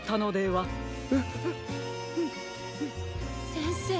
せんせい。